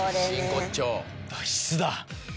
脱出だ。